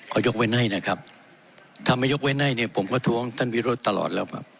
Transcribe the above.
เขายกเว้นให้นะครับถ้าไม่ยกเว้นให้เนี่ยผมก็ท้วงท่านวิโรธตลอดแล้วครับ